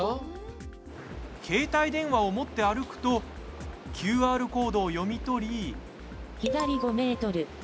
携帯電話を持って歩くとＱＲコードを読み取り。